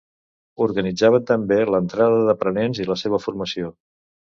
Organitzaven també l'entrada d'aprenents i la seva formació.